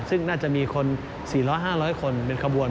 ซึ่งน่าจะมีคน๔๐๐๕๐๐คนเป็นขบวน